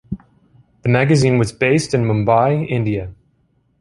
The magazine was based in Mumbai, India.